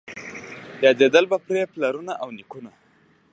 یادېدل به پرې پلرونه او نیکونه